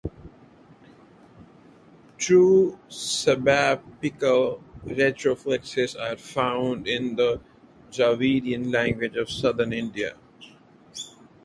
True subapical retroflexes are found in the Dravidian languages of Southern India.